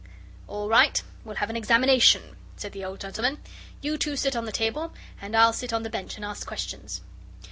"All right, we'll have an examination," said the old gentleman; "you two sit on the table, and I'll sit on the bench and ask questions."